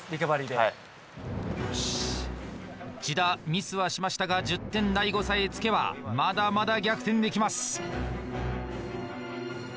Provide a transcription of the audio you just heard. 千田ミスはしましたが１０点大悟さえ突けばまだまだ逆転できます！